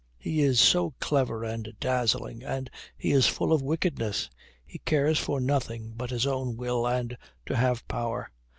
He is so clever and dazzling, and he is full of wickedness. He cares for nothing but his own will and to have power.